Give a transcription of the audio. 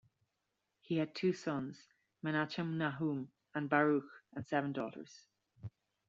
He had two sons, Menachem Nahum and Baruch, and seven daughters.